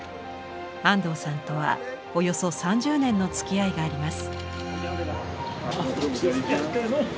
安藤さんとはおよそ３０年のつきあいがあります。